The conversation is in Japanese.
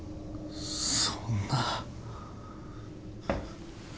そんな。